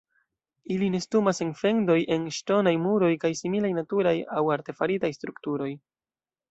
Ili nestumas en fendoj en ŝtonaj muroj kaj similaj naturaj aŭ artefaritaj strukturoj.